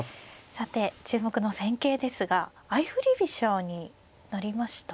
さて注目の戦型ですが相振り飛車になりましたね。